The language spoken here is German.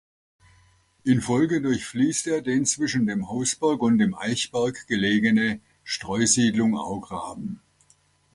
Infolge durchfließt er den zwischen dem Hausberg und dem Eichberg gelegene Streusiedlung Augraben.